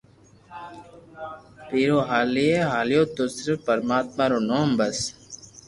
ڀيرو ھالئي ھاليو تو صرف پرماتما رو نوم بس